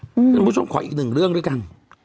คุณผู้ชมขออีกหนึ่งเรื่องด้วยกัน